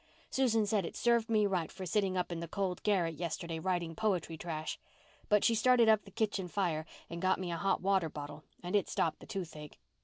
Susan said it served me right for sitting up in the cold garret yesterday writing poetry trash. But she started up the kitchen fire and got me a hot water bottle and it stopped the toothache.